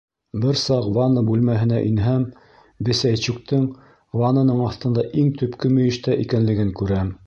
Бер саҡ ванна бүлмәһенә инһәм, Бесәйчуктың ваннаның аҫтында, иң төпкө мөйөштә, икәнлеген күрәм.